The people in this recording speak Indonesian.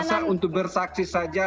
masa untuk bersaksi saja